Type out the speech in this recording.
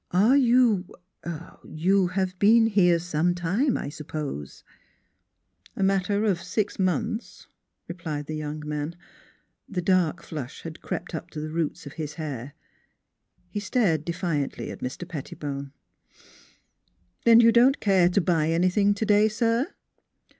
Are you er you have been here some time, I suppose?" NEIGHBORS 107 " A matter of six months," replied the young man. The dark flush had crept up to the roots of his hair. He stared defiantly at Mr. Pettibone. " Then you don't care to buy anything today, sir?"